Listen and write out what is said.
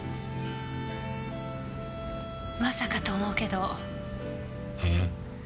まさかと思うけど。